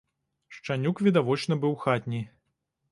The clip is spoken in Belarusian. Шчанюк відавочна быў хатні.